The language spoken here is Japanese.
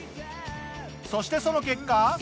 そしてその結果。